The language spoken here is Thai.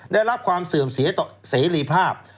ได้รับความเสื่อมเสียเสรีภาพ